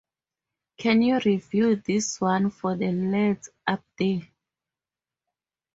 Can you review this one for the lads up there?